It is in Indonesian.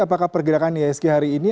apakah pergerakan isg hari ini